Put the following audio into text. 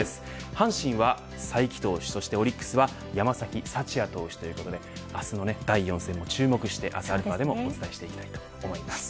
阪神は才木投手そしてオリックスは山崎福也投手ということで明日の第４戦も注目して明日αでもお伝えしていきたいと思います。